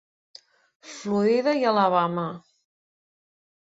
Florida i Alabama.